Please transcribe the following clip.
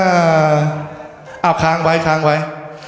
อ่าอ่าคางไว้คางไว้